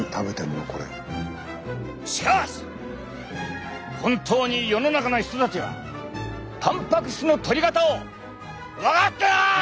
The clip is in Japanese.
しかし本当に世の中の人たちはたんぱく質のとり方を分かってない！